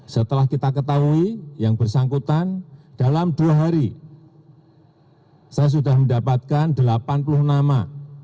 setelah kita ketahui yang bersangkutan dalam dua hari saya sudah mendapatkan delapan puluh nama